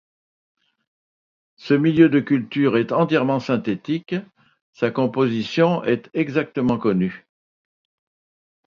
Ce milieu de culture est entièrement synthétique, sa composition est exactement connue.